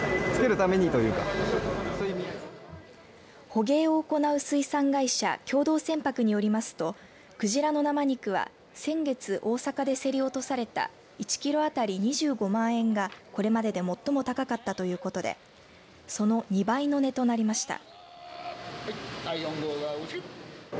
捕鯨を行う水産会社共同船舶によりますと鯨の生肉は先月大阪で競り落とされた１キロ当たり２５万円がこれまでで最も高かったということでその２倍の値となりました。